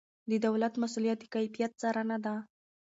د دولت مسؤلیت د کیفیت څارنه ده.